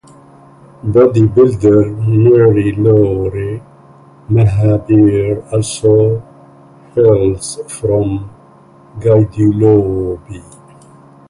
Bodybuilder Marie-Laure Mahabir also hails from Guadeloupe.